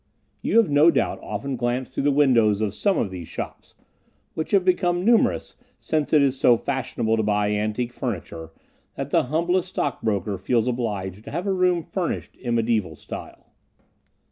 You have no doubt often glanced through the windows of some of these shops, which have become numerous since it is so fashionable to buy antique furniture, that the humblest stockbroker feels obliged to have a room furnished in medieval style.